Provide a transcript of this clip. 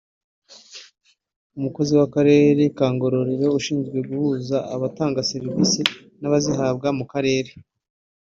umukozi w’akarere ka Ngororero ushinzwe guhuza abatanga serivisi n’abazihabwa mu karere